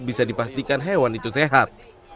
bisa dipastikan hewan itu sehat